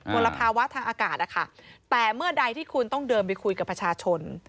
ลภาวะทางอากาศนะคะแต่เมื่อใดที่คุณต้องเดินไปคุยกับประชาชน